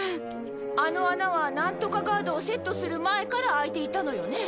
あの穴はなんとかガードをセットする前から開いていたのよね？